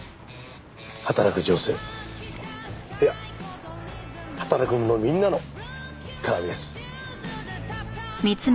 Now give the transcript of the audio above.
働く女性いや働く者みんなの鑑です。